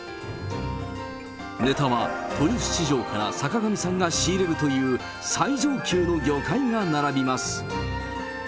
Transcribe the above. ネタは豊洲市場から坂上さんが仕入れるという、最上級の魚介が並びます。